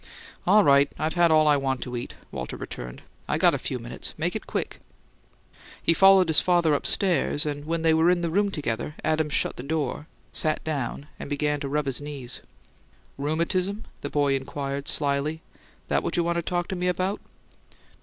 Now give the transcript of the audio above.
"All right; I've had all I want to eat," Walter returned. "I got a few minutes. Make it quick." He followed his father upstairs, and when they were in the room together Adams shut the door, sat down, and began to rub his knees. "Rheumatism?" the boy inquired, slyly. "That what you want to talk to me about?"